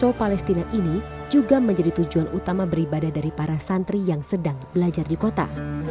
asal palestina ini juga menjadi tujuan utama beribadah dari para santri yang sedang belajar di kota